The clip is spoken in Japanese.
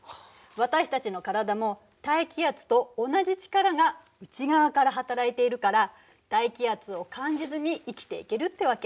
私たちの体も大気圧と同じ力が内側から働いているから大気圧を感じずに生きていけるってわけ。